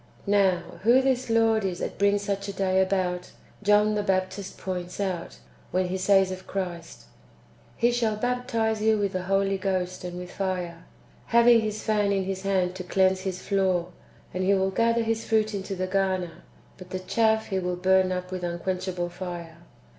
"^ Now, who this Lord is that brings such a day about, John the Baptist points out, when he says of Christ, " He shall baptize you with the Holy Ghost and with fire, having His fan in His hand to cleanse His floor ; and He will gather His fruit into the garner, but the chaff He Avill burn up with un quenchable fire."